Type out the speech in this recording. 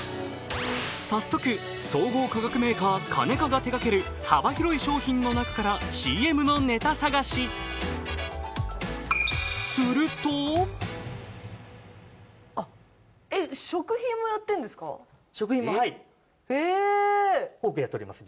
早速総合化学メーカーカネカが手がける幅広い商品のなかからＣＭのネタ探し食品もはいへえ多くやっております